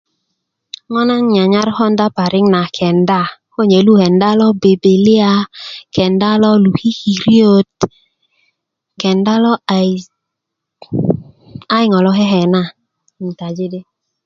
ŋo' na nnyanyar konda parik na a kenda konye nu kenda lo bibiliya kenda lo lukikiriyöt kenda lo ayis ayo ŋo' lo kekena tin taji di